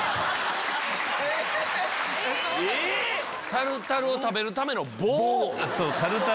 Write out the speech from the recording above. タルタルを食べるための棒⁉